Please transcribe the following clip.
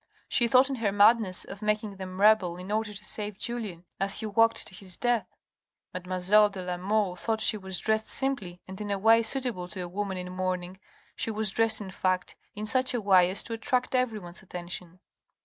She thought, in her madness, of making them rebel in order to save Julien as he walked to his death. Mademoiselle de la Mole thought she was dressed simply and in a way suitable to a woman in mourning, she was dressed in fact in such a way as to attract every one's attention.